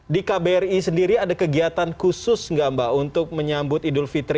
di kbri sendiri ada kegiatan khusus nggak mbak untuk menyambut idul fitri